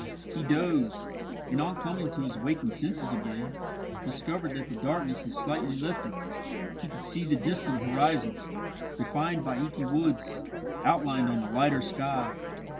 He dozed, and on coming to his waking senses again, discovered that the darkness had slightly lifted. He could see the distant horizon, defined by inky woods, outlined on a lighter sky.